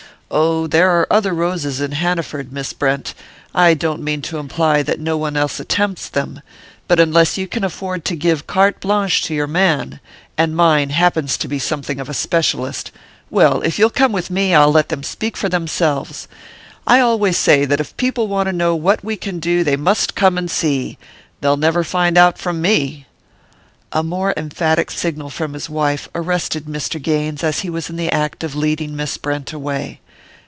Oh, there are other roses in Hanaford, Miss Brent; I don't mean to imply that no one else attempts them; but unless you can afford to give carte blanche to your man and mine happens to be something of a specialist...well, if you'll come with me, I'll let them speak for themselves. I always say that if people want to know what we can do they must come and see they'll never find out from me!" A more emphatic signal from his wife arrested Mr. Gaines as he was in the act of leading Miss Brent away.